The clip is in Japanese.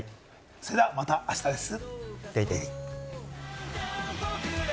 それではまたあしたです。